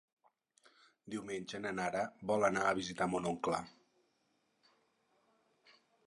Diumenge na Nara vol anar a visitar mon oncle.